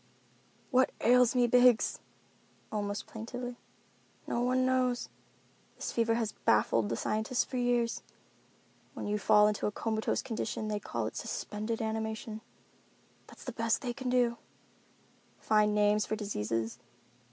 "What ails me, Biggs?" almost plaintively. "No one knows. This fever has baffled the scientists for years. When you fall into a comatose condition they call it suspended animation. That's the best thing they do—find names for diseases.